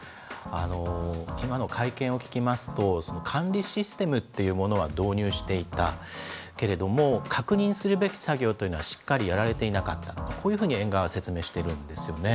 今の会見を聞きますと、管理システムっていうものは導入していた、けれども、確認するべき作業というのはしっかりやられていなかった、こういうふうに園側は説明しているんですよね。